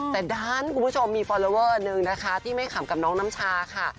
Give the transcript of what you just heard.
แต่ด้านคุณผู้ชมมีฟอลลอเวอร์นึงนะคะที่ไม่ขำกับน้องน้ำชาค่ะ